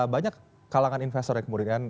banyak kalangan investor yang kemudian